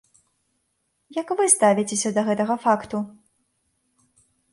Як вы ставіцеся да гэтага факту?